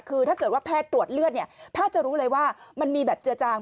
คือถ้าเกิดว่าแพทย์ตรวจเลือดเนี่ยแพทย์จะรู้เลยว่ามันมีแบบเจือจาง